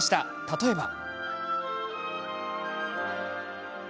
例えば。